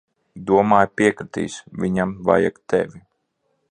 Domāju, piekritīs. Viņiem vajag tevi.